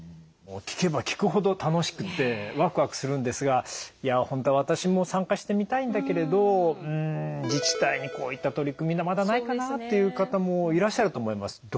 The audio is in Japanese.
もう聞けば聞くほど楽しくてわくわくするんですが「いや本当は私も参加してみたいんだけれどん自治体にこういった取り組みがまだないかな」っていう方もいらっしゃると思います。